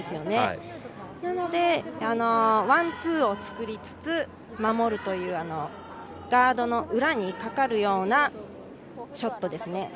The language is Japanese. なのでワン、ツーを作りつつ守るという、ガードの裏にかかるようなショットですね。